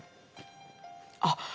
あっ！